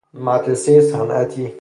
مدرسۀ صنعتی